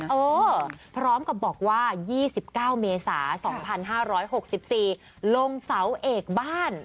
เออพร้อมกับบอกว่า๒๙เมษา๒๕๖๔ลงเสาเอกบ้าน